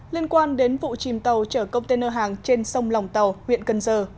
liên quan đến vụ chìm tàu chở container hàng trên sông lòng tàu huyện cần giờ